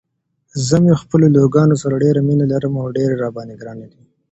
زه مې خپلو لورګانو سره ډيره مينه لرم او ډيرې راباندې ګرانې دي.